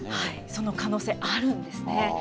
その可能性、あるんですね。